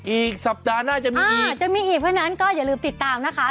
อีกสัปดาห์หน้าจะมีจะมีอีกเพราะฉะนั้นก็อย่าลืมติดตามนะคะ